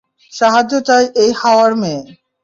সাহায্য চায় এই হাওয়ার মেয়ে।